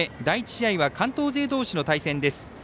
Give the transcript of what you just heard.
第１試合は関東勢同士の対戦です。